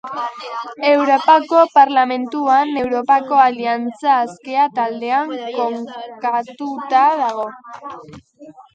Europako Parlamentuan Europako Aliantza Askea taldean kokatuta dago.